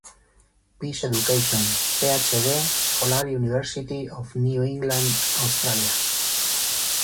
Peace Education, PhD Scholar University of New England Australia.